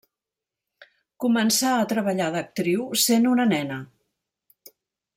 Començà a treballar d'actriu sent una nena.